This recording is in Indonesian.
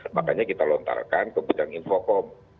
makanya kita lontarkan ke bidang infocom